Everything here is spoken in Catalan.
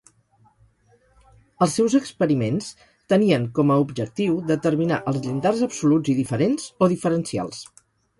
Els seus experiments tenien com a objectiu determinar els llindars absoluts i diferents, o diferencials.